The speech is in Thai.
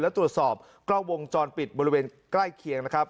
และตรวจสอบกล้องวงจรปิดบริเวณใกล้เคียงนะครับ